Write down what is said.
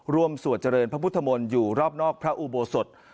สวดเจริญพระพุทธมนตร์อยู่รอบนอกพระอุโบสถ